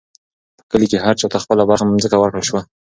په کلي کې هر چا ته خپله برخه مځکه ورکړل شوه.